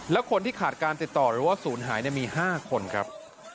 และคนที่ขาดการติดต่อหรือว่าศูนย์หายมี๕คนครับ